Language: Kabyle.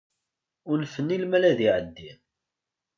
Unfen i lmal ad iεeddi.